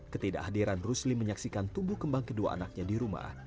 ketidakhadiran rusli menyaksikan tumbuh kembang kedua anaknya di rumah